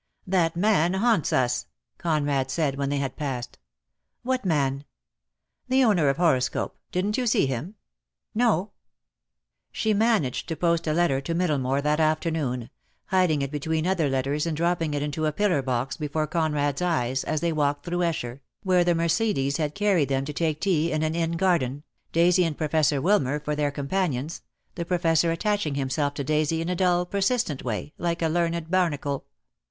.' "That man haunts us," Conrad said, when they had passed. . "What man?" "The owner of Horoscope. Didn*t you see him?" "No." 252 DEAD LOVE HAS CHAINS. She managed to post a letter to Middlemore that afternoon — hiding it between other letters and dropping it into a pillar box before Conrad's eyes, as they walked through Esher, where the Mercedes had carried them to take tea in an inn garden, Daisy and Professor Wilmer for their companions, the Professor attaching himself to Daisy in a dull persistent way, like a learned barnacle.